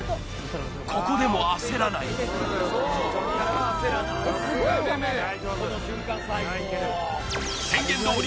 ここでも焦らない宣言どおり